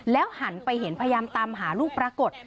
หันไปเห็นพยายามตามหาลูกปรากฏ